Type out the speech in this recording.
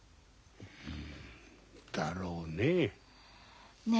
うんだろうねえ。